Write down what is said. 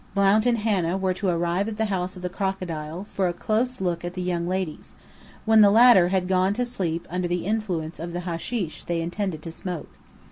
Blount and Hanna were to arrive at the House of the Crocodile for a close look at the young ladies, when the latter had gone to sleep under the influence of the hasheesh they intended to smoke.